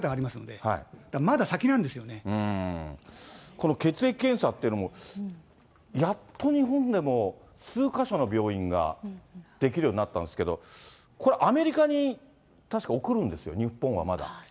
この血液検査ってのも、やっと日本でも、数か所の病院ができるようになったんですけど、これ、アメリカに確か送るんですよ、日本はまだ。